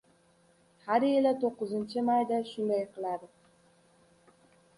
— Har yili to'qqizinchi mayda shunday qiladi.